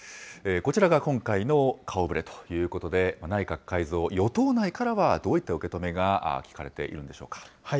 こちらが今回の顔ぶれということで、内閣改造、与党内からはどういった受け止めが聞かれているんでしょうか。